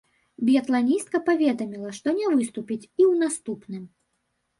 Біятланістка паведаміла, што не выступіць і ў наступным.